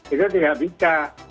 itu tidak bisa